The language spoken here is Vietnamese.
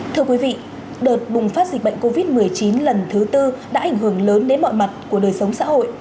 thưa quý vị đợt bùng phát dịch bệnh covid một mươi chín lần thứ tư đã ảnh hưởng lớn đến mọi mặt của đời sống xã hội